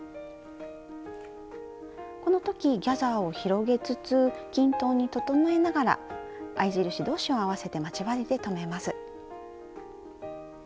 この時ギャザーを広げつつ均等に整えながら合い印同士を合わせて待ち針で留めます。